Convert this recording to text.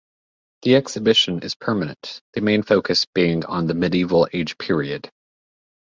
The exhibition is permanent, the main focus being on the Medieval age period.